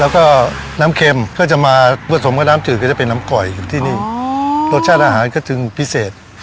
แล้วก็น้ำเค็มก็จะมาผสมกับน้ำจืดก็จะเป็นน้ำก่อยอยู่ที่นี่รสชาติอาหารก็จึงพิเศษ